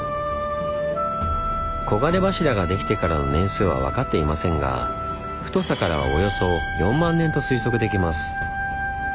黄金柱ができてからの年数は分かっていませんが太さからはおよそ４万年と推測できます。